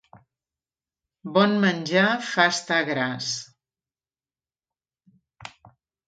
Bon menjar fa estar gras.